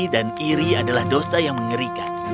dan iri adalah dosa yang mengerikan